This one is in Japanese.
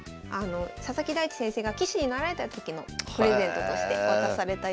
佐々木大地先生が棋士になられた時のプレゼントとして渡されたようで。